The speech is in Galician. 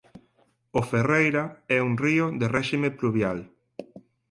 O Ferreira é un río de réxime pluvial.